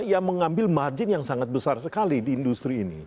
yang mengambil margin yang sangat besar sekali di industri ini